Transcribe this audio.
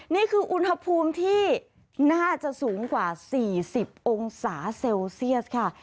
นี่คืออุณหภูมิที่น่าจะสูงกว่า๔๐องศาเซลเซียสค่ะ